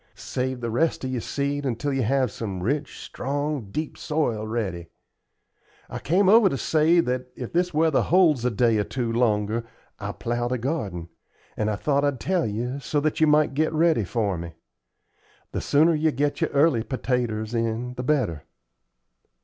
Save the rest of your seed until you have some rich, strong, deep soil ready. I came over to say that if this weather holds a day or two longer I'll plow the garden; and I thought I'd tell you, so that you might get ready for me. The sooner you get your early pertaters in the better."